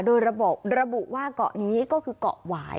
โดยระบุว่าเกาะนี้ก็คือเกาะหวาย